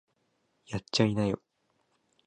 やっちゃいなよ